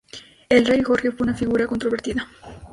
El rey Jorge fue una figura controvertida.